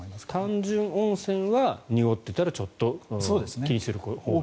単純温泉は濁っていたらちょっと気にするほうがいいと。